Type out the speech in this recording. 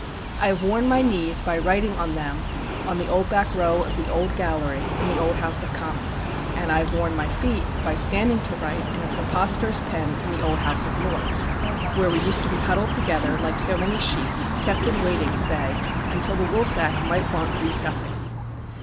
I have worn my knees by writing on them on the old back row of the old gallery in the old House of Commons; and I have worn my feet by standing to write in a preposterous pen in the old House of Lords, where we used to be huddled together like so many sheep, kept in waiting, say, until the woolsack might want re stuffing.